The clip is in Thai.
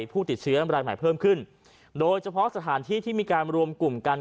ผู้ติดเชื้อรายใหม่เพิ่มขึ้นโดยเฉพาะสถานที่ที่มีการรวมกลุ่มกัน